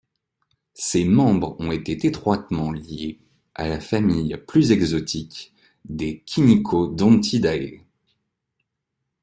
Ses membres ont été étroitement liés à la famille plus exotique des Chiniquodontidae.